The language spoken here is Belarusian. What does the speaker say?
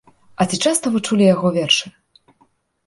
А ці часта вы чулі яго вершы?